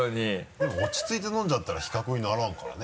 でも落ち着いて飲んじゃったら比較にならんからね。